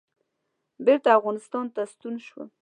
بېرته افغانستان ته ستون شوم.